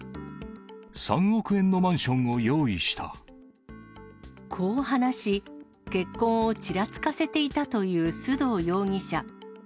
３億円のマンションを用意しこう話し、結婚をちらつかせていたという須藤容疑者。